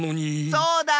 そうだ！